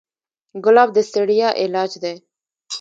ګلاب د ستړیا علاج دی.